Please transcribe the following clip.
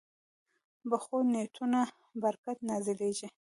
پخو نیتونو برکت نازلېږي